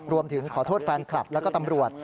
รวมถึงขอโทษแฟนคลับแล้วก็ตำรวจ